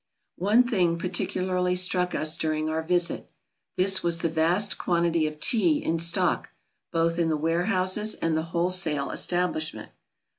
One thing particularly struck us during our visit. This was the vast quantity of Tea in stock, both in the Warehouses and the Wholesale Establishment.